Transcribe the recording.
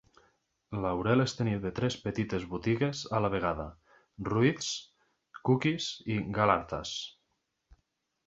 Laureles tenia tres petites botigues a la vegada: Ruiz's, Cookies i Galarza's.